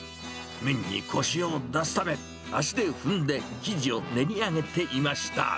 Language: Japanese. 麺にこしを出すため、足で踏んで生地を練り上げていました。